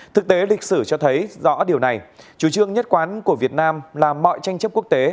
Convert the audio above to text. thực tế lịch sử cho thấy rõ điều này chủ trương nhất quán của việt nam là mọi tranh chấp quốc tế